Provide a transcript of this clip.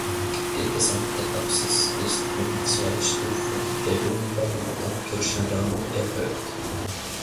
Die gesamte Apsis ist um zwei Stufen gegenüber dem Kirchenraum erhöht.